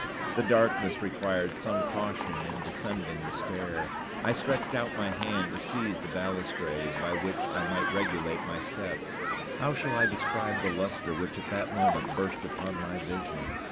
The darkness required some caution in descending the stair. I stretched out my hand to seize the balustrade, by which I might regulate my steps. How shall I describe the lustre which at that moment burst upon my vision?